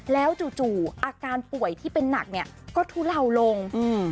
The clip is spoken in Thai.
แล้วจู่จู่อาการป่วยที่เป็นหนักเนี่ยก็ทุเลาลงอืม